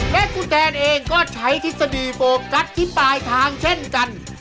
และคุณแตนเองก็ใช้ทฤษฎีโฟกัสที่ปลายทางเช่นกัน